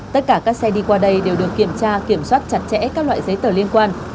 tất cả các xe đi qua đây đều được kiểm tra kiểm soát chặt chẽ các loại giấy tờ liên quan